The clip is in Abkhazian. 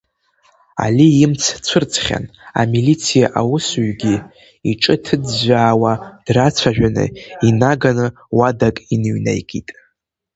Али имц цәырҵхьан, амилициа аусҩгьы иҿы ҭыӡәӡәаауа драцәажәаны инаганы уадак иныҩнаикит.